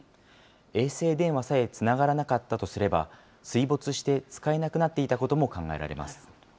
衛星電話さえつながらなかったとすれば、水没して使えなくなっていたことも考えられます。